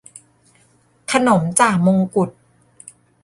ขนมจ่ามงกุฎ